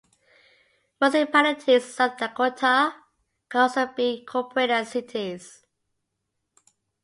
Municipalities in South Dakota can also be incorporated as cities.